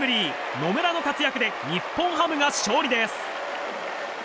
野村の活躍で日本ハムが勝利です。